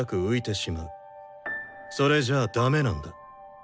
それじゃあダメなんだ。